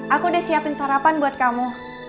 aku udah siapin sarapan buat kamu